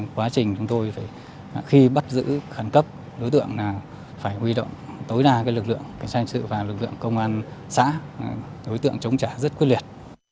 quá trình chúng tôi khi bắt giữ khẳng cấp đối tượng là phải huy động tối đa cái lực lượng kinh doanh sự và lực lượng công an xã đối tượng chống trả rất quyết liệt